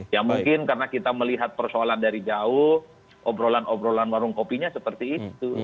ya mungkin karena kita melihat persoalan dari jauh obrolan obrolan warung kopinya seperti itu